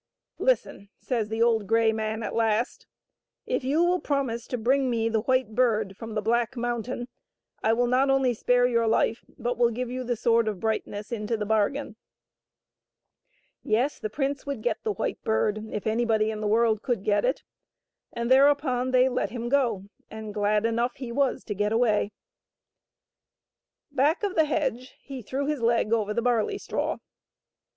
Listen," says the old grey man at last ;" if you will promise to bring me the White Bird from the black mountain, I will not only spare your life, but will give you the Sword of Brightness into the bargain." Yes, the prince would get the White Bird if anybody in the world could get it. And thereupon they let him go, and glad enough he was to get away. Back of the hedge he threw his leg over the barley straw.